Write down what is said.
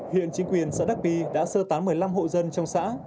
hiện chính quyền xã đắc pi đã sơ tán một mươi năm hộ dân trong xã